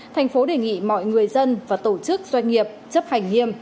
thành phố đề nghị mọi người dân và tổ chức doanh nghiệp chấp hành nghiêm